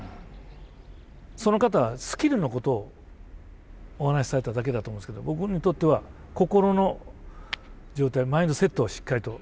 その方はスキルのことをお話しされただけだと思うんですけど僕にとっては心の状態マインドセットをしっかりと教わったひと言だったですね。